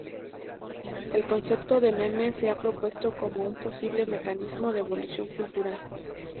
El concepto de meme se ha propuesto como un posible mecanismo de evolución cultural.